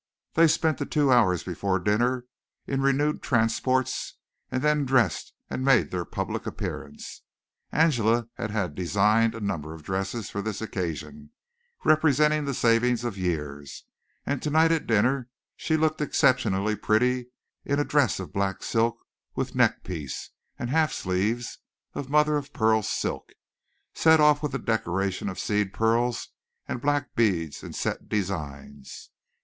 They spent the two hours before dinner in renewed transports and then dressed and made their public appearance. Angela had had designed a number of dresses for this occasion, representing the saving of years, and tonight at dinner she looked exceptionally pretty in a dress of black silk with neck piece and half sleeves of mother of pearl silk, set off with a decoration of seed pearls and black beads in set designs.